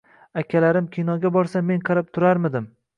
Akalarim kinoga borsa, men qarab turarmidim.